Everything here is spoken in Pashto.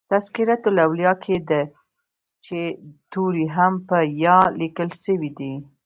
" تذکرةالاولیاء" کښي د "چي" توری هم په "ي" لیکل سوی دئ.